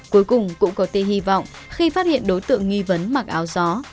cuối cùng cũng có tê hy vọng khi phát hiện đối tượng nghi vấn mặc áo gió